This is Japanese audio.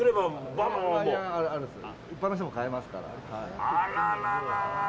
一般の人も買えますから。